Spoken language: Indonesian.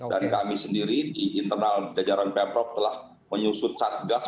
dan kami sendiri di internal pejajaran pemprov telah menyusut satgas